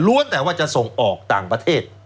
แต่ว่าจะส่งออกต่างประเทศ